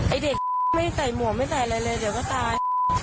ไอ้เด็กไม่ใส่หมวกไม่ใส่อะไรเลยเดี๋ยวก็ตาย